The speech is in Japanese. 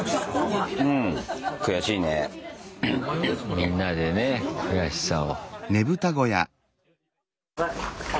みんなでね悔しさを。